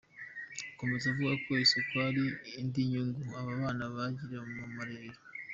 Akomeza avuga ko isuku ari indi nyungu aba bana bagirira mu marerero.